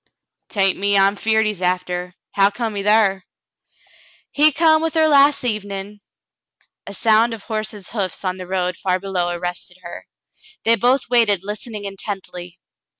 " 'Tain't me I'm feared he's after. How come he thar ^" "He come with her las' evenin' —" A sound of horses' hoofs on the road far below arrested her. They both waited, listening intently.